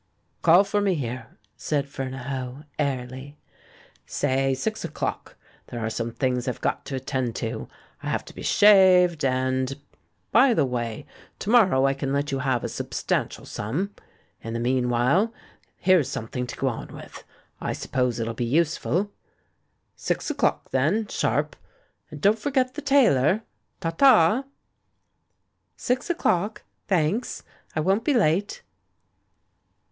"Call for me here," said Fernahoe, airly; "say six o'clock. There are some things I've got to attend to : I have to be shaved, and — By the way, to morrow I can let you have a substantial sum; in the meanwhile, here's something to go on with — I suppose it'll be useful? Six o'clock, then, sharp. And don't forget the tailor. Ta! ta!" "Six o'clock. Thanks. I won't be late."